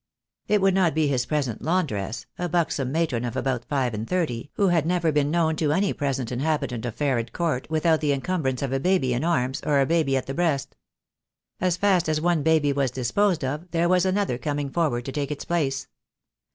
It would not be his present laundress, a buxom matron of about five and thirty, who had never been known to any present inhabitant of Ferret Court without the encumbrance of a baby in arms, or a baby at the breast. As fast as one baby was disposed of, there was another coming forward to take its place.